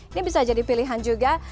ini bisa jadi pilihan juga